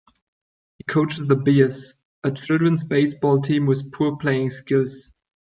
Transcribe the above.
He coaches the Bears, a children's baseball team with poor playing skills.